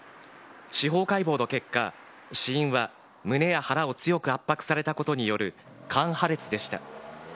司法解剖の結果、死因は胸や腹を強く圧迫されたことによる肝破裂でした。